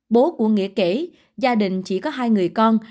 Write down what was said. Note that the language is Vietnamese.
bố của nghĩa kể gia đình chỉ có hai người con